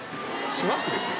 スナックですよ？